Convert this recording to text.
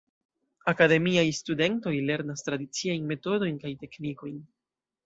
Akademiaj studentoj lernas tradiciajn metodojn kaj teknikojn.